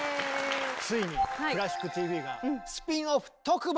ついに「クラシックＴＶ」がスピンオフ特番！